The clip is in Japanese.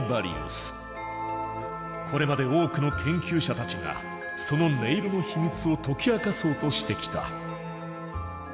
これまで多くの研究者たちがその音色の秘密を解き明かそうとしてきた。